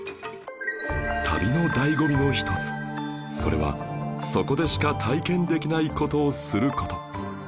旅の醍醐味の一つそれはそこでしか体験できない事をする事